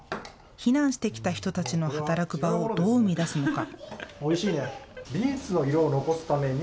避難してきた人たちの働く場をどう生み出すのか。